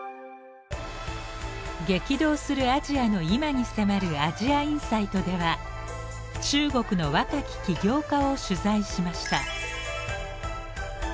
激動するアジアの今に迫る「ＡｓｉａＩｎｓｉｇｈｔ」では中国の若き起業家を取材しました。